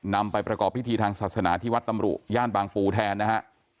นำไปประกอบพิธีทางศาสนาที่วัดตำรุย่านบางปูแทนนะฮะ